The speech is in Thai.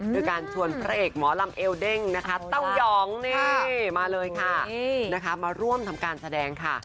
โดยการชวนพระเอกหมอลำเอลเด้งนะคะเต้ายองนี่มาเลยค่ะมาร่วมทำการแสดงค่ะ